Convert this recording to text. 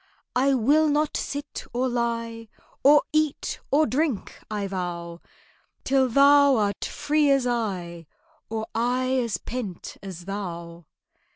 "I will not sit or lie, Or eat or drink, I vow, Till thou art free as I, Or I as pent as thou."